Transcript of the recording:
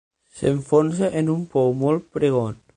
S'enfonsa en un pou molt pregon.